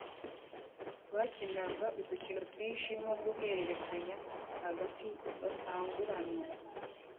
bakinaga udukino twinshi nko guhererekanya agati batanguranwa